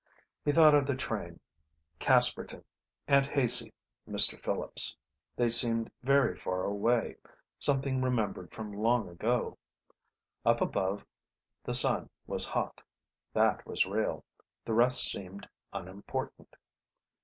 He thought of the train, Casperton, Aunt Haicey, Mr. Phillips. They seemed very far away, something remembered from long ago. Up above the sun was hot. That was real. The rest seemed unimportant.